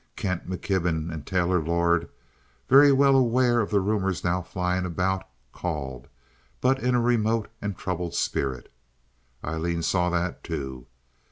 Kent McKibben and Taylor Lord, very well aware of the rumors now flying about, called, but in a remote and troubled spirit. Aileen saw that, too.